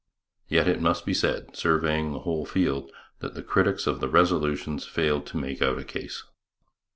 Yet it must be said, surveying the whole field, that the critics of the resolutions failed to make out a case.